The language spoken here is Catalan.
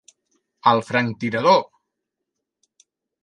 Al franctirador!